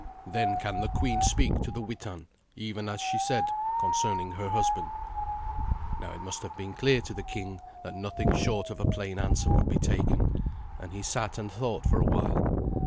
Then can the queen speak to the Witan, even as she said, concerning her husband." Now it must have been clear to the king that nothing short of a plain answer would be taken, and he sat and thought for a while.